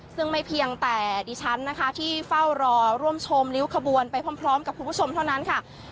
ซึ่งไม่เพียงแต่ดิฉันนะคะที่เฝ้ารอร่วมชมริ้วขบวนไปพร้อมกับคุณผู้ชมเท่านั้นค่ะ